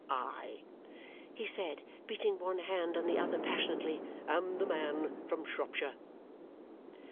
I," he said, beating one hand on the other passionately, "am the man from Shropshire."